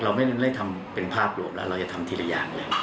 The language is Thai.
เราไม่ได้ทำเป็นภาพรวมแล้วเราจะทำทีละอย่างเลย